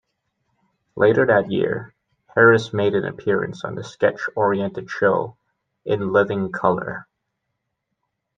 Later that year, Harris made an appearance on the sketch-oriented show "In Living Color".